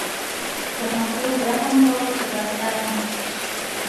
پر مخلوق رحم کوه چې پر تا رحم وشي.